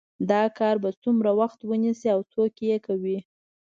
دا کار به څومره وخت ونیسي او څوک یې کوي